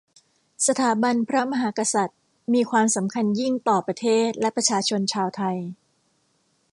สถาบันพระมหากษัตริย์มีความสำคัญยิ่งต่อประเทศและประชาชนชาวไทย